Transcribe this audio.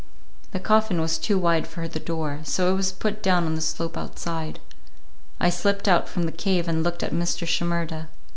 The coffin was too wide for the door, so it was put down on the slope outside. I slipped out from the cave and looked at Mr. Shimerda.